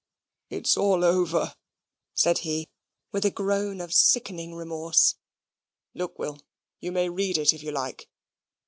"It's all over," said he, with a groan of sickening remorse. "Look, Will, you may read it if you like."